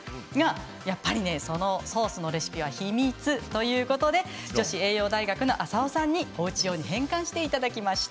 やっぱりそのソースのレシピは秘密ということで女子栄養大学の浅尾さんに変換していただきました。